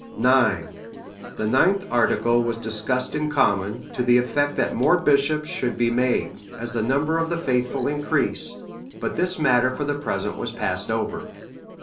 "IX. The ninth Article was discussed in common, to the effect that more bishops should be made, as the number of the faithful increased; but this matter for the present was passed over.